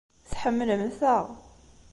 Tḥemmlemt-aɣ.